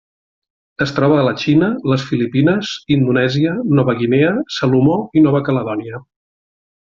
Es troba a la Xina, les Filipines, Indonèsia, Nova Guinea, Salomó i Nova Caledònia.